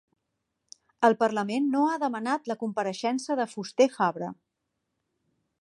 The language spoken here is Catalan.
El parlament no ha demanat la compareixença de Fuster-Fabra